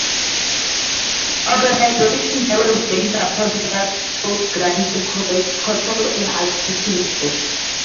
Organization that was based upon craft skills granted control over access to the job.